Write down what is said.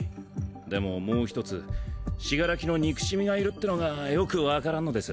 でももう１つ死柄木の憎しみが要るってのがよくわからんのです。